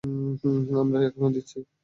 আমরা এখনই দিচ্ছি!